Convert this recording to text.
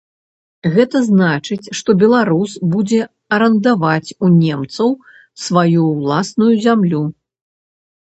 Гэта значыць, што беларус будзе арандаваць у немцаў сваю ўласную зямлю.